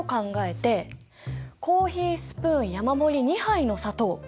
コーヒースプーン山盛り２杯の砂糖。